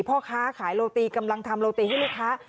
พ่อค้าขายโรตีกำลังทำโรตีให้ลูกค้า